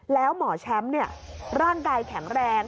แล้วหมอแชมป์ร่างกายแข็งแรง